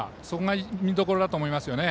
そこが見どころだと思います。